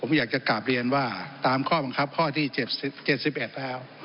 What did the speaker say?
ผมอยากจะกลับเรียนว่าตามข้อบังคับข้อที่๗๑แล้ว